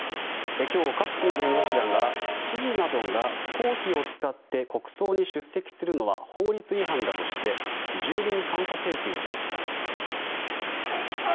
今日、各地の弁護士らが知事などが公費を使って国葬に出席するのは法律違反だとして住民監査請求をしました。